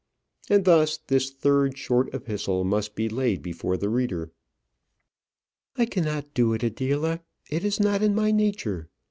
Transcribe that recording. And thus this third short epistle must be laid before the reader. "I cannot do it, Adela. It is not in my nature.